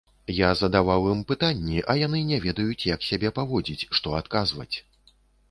Я задаваў ім пытанні, а яны не ведаюць, як сябе паводзіць, што адказваць.